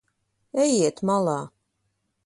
Ejiet malā.